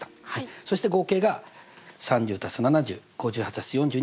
そして合計が３０＋７０５８＋４２。